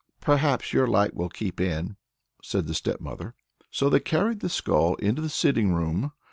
"Perhaps your light will keep in!" said the stepmother. So they carried the skull into the sitting room.